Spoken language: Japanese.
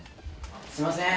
すみません。